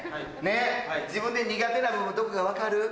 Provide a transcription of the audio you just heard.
自分で苦手な部分どこか分かる？